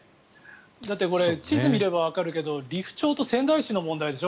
だってこれ地図見ればわかるけど利府町と仙台市の問題でしょ。